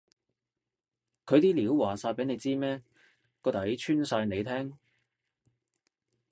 佢啲料話晒你知咩？個底穿晒你聽？